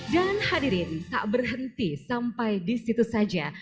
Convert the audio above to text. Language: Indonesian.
hadirin tak berhenti sampai di situ saja